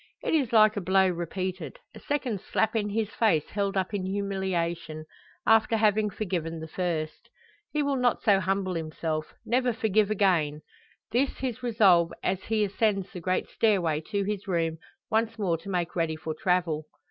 It is like a blow repeated a second slap in his face held up in humiliation after having forgiven the first. He will not so humble himself never forgive again. This his resolve as he ascends the great stairway to his room, once more to make ready for travel.